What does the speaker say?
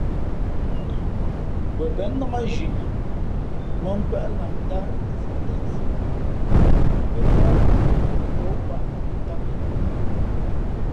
Wen bα̌ nnák nzhi mᾱnkwéʼ lah ndát si lensi mα pά ndʉ̄ʼ ǒ kwāʼ tām ī.